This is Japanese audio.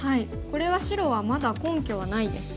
これは白はまだ根拠はないですか？